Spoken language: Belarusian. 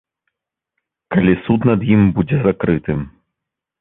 Калі суд над ім будзе закрытым.